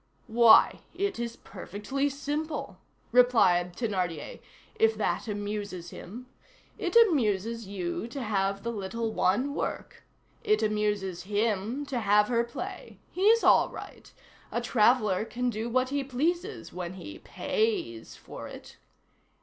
"Why! it is perfectly simple," replied Thénardier, "if that amuses him! It amuses you to have the little one work; it amuses him to have her play. He's all right. A traveller can do what he pleases when he pays for it.